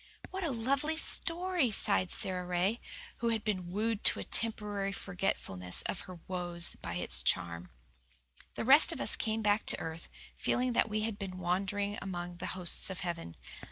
"What a lovely story," sighed Sara Ray, who had been wooed to a temporary forgetfulness of her woes by its charm. The rest of us came back to earth, feeling that we had been wandering among the hosts of heaven.